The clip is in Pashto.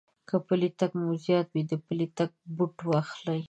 که پٔلی تگ مو زيات وي، د پلي تگ بوټ واخلئ.